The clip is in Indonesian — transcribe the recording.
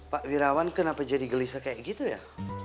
pak wirawan kenapa jadi gelisah kayak gitu ya